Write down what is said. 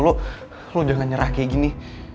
lu lo jangan nyerah kayak gini